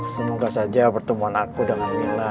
semoga saja pertemuan aku dengan mila